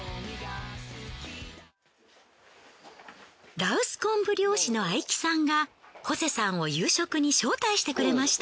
羅臼昆布漁師の相木さんがホセさんを夕食に招待してくれました。